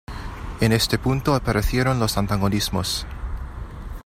En este punto, aparecieron los antagonismos.